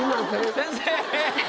先生！